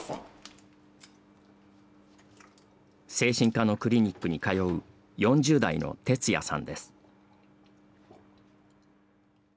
精神科のクリニックに通う４０代のテツヤさんです。